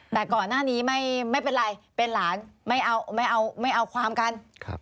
แต่ก่อนหน้านี้ไม่เป็นไรเป็นหลานไม่เอาความกัน